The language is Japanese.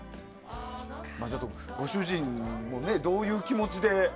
ご主人もどういう気持ちで。